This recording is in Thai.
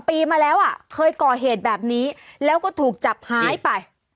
ปีมาแล้วอ่ะเคยก่อเหตุแบบนี้แล้วก็ถูกจับหายไป